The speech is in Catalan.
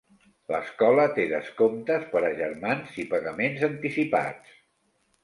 L'escola té descomptes per a germans i pagaments anticipats.